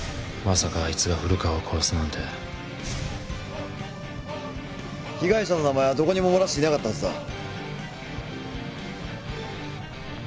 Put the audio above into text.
まさかあいつが古川を殺すなんて被害者の名前はどこにも漏らしていなかったはずだ。